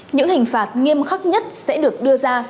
những hình phạt nghiêm khắc nhất sẽ được đưa ra